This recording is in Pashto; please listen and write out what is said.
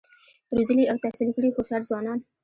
روزلي او تحصیل کړي هوښیار ځوانان